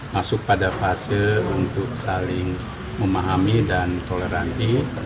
masuk pada fase untuk saling memahami dan toleransi